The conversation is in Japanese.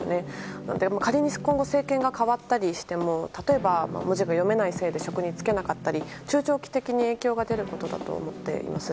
なので、仮に今後政権が変わったりしても例えば、文字が読めないせいで職に就けなかったり中長期的に影響が出ることだと思っています。